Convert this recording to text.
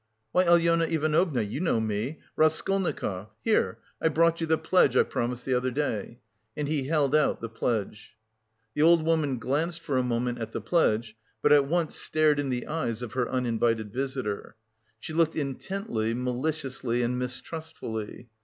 "Why, Alyona Ivanovna, you know me... Raskolnikov... here, I brought you the pledge I promised the other day..." And he held out the pledge. The old woman glanced for a moment at the pledge, but at once stared in the eyes of her uninvited visitor. She looked intently, maliciously and mistrustfully.